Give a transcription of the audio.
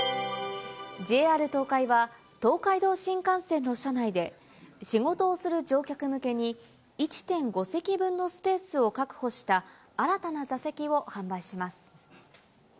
ＪＲ東海は、東海道新幹線の車内で、仕事をする乗客向けに、１．５席分のスペースを確保した新たな座席を販売します。